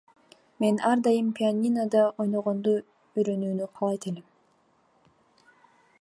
Мен ар дайым пианинодо ойногонду үйрөнүүнү каалайт элем.